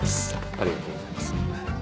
ありがとうございます。